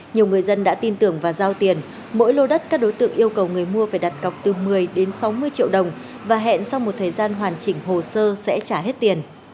nhiều người dân đã tin tưởng và giao tiền mỗi lô đất các đối tượng yêu cầu người mua phải đặt cọc từ một mươi đến sáu mươi triệu đồng và hẹn sau một thời gian hoàn chỉnh hồ sơ sẽ trả hết tiền